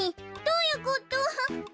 どういうこと？